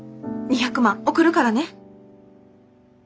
２００万送るからね。